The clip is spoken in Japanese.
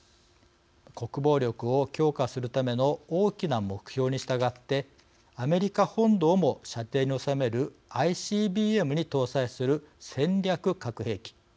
国防力を強化するための大きな目標に従ってアメリカ本土をも射程に収めるＩＣＢＭに搭載する戦略核兵器。